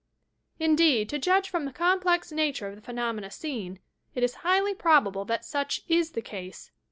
Indeed, to judge from the complex nature of the phe nomena seen, it is highly probable that such is the case.